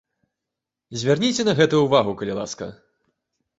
Звярніце на гэта ўвагу, калі ласка.